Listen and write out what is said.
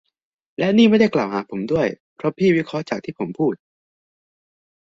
และนี่ไม่ได้กล่าวหาผมด้วย เพราะพี่วิเคราะห์จากที่ผมพูด !